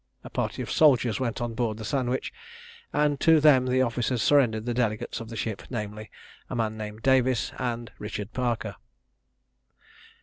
A party of soldiers went on board the Sandwich, and to them the officers surrendered the delegates of the ship, namely, a man named Davies, and Richard Parker.